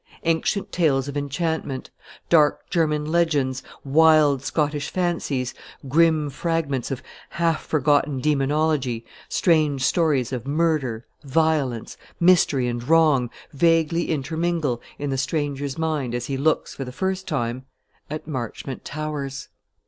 Ancient tales of enchantment, dark German legends, wild Scottish fancies, grim fragments of half forgotten demonology, strange stories of murder, violence, mystery, and wrong, vaguely intermingle in the stranger's mind as he looks, for the first time, at Marchmont Towers.